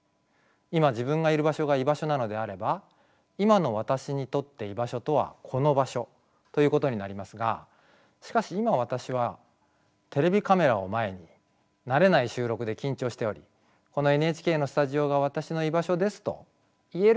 今自分がいる場所が居場所なのであれば今の私にとって居場所とはこの場所ということになりますがしかし今私はテレビカメラを前に慣れない収録で緊張しており「このＮＨＫのスタジオが私の居場所です」と言えるかというと疑問です。